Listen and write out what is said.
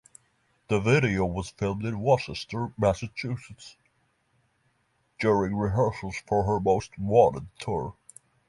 The video was filmed in Worcester, Massachusetts during rehearsals for her Most Wanted Tour.